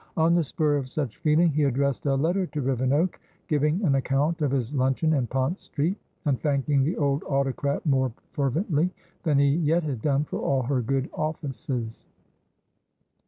On the spur of such feeling, he addressed a letter to Rivenoak, giving an account of his luncheon in Pont Street, and thanking the old autocrat more fervently than he yet had done for all her good offices.